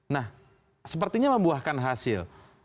nah sepertinya membuahkan hasil